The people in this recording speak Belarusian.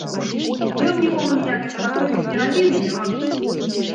Ён нікому ніякай забастоўкі не рабіў і не робіць.